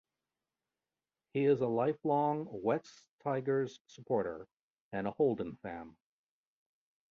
He is a lifelong Wests Tigers supporter and a Holden fan.